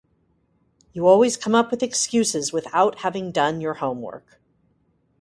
You always come up with excuses without having done your homework.